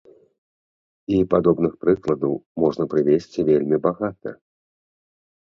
І падобных прыкладаў можна прывесці вельмі багата.